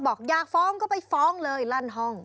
บอกอยากฟ้องก็ไปฟ้องเลยลั่นห้อง